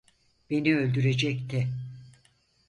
Beni öldürecekti.